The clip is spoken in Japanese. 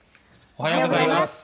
おはようございます。